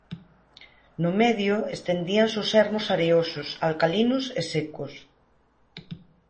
No medio, estendíanse os ermos areosos, alcalinos e secos.